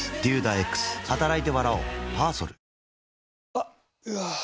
あっ、うわー。